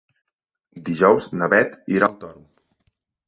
Dijous na Beth irà al Toro.